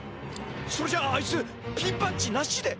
それじゃあいつピンバッジなしで！？